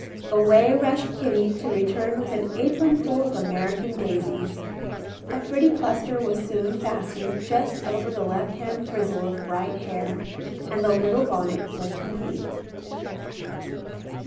Away rushed Kitty to return with an apron full of American daisies. A pretty cluster was soon fastened just over the left hand frizzle of bright hair, and the little bonnet was complete.